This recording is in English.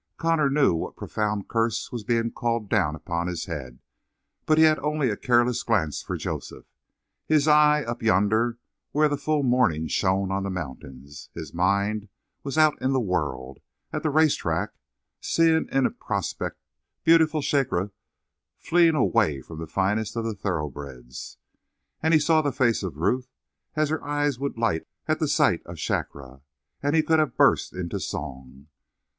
Connor knew what profound curse was being called down upon his head, but he had only a careless glance for Joseph. His eye up yonder where the full morning shone on the mountains, his mind was out in the world, at the race track, seeing in prospect beautiful Shakra fleeing away from the finest of the thoroughbreds. And he saw the face of Ruth, as her eyes would light at the sight of Shakra. He could have burst into song.